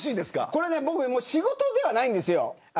これは仕事ではないんですよ。